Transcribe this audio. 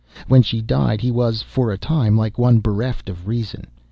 When she died he was, for a time, like one bereft of reason.